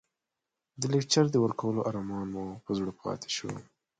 د لکچر د ورکولو ارمان مو په زړه پاتې شو.